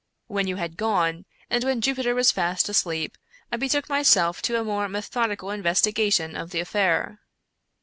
" When you had gone, and when Jupiter was fast asleep, I betook myself to a more methodical investigation of the affair.